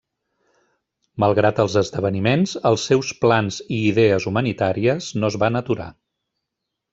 Malgrat els esdeveniments, els seus plans i idees humanitàries no es van aturar.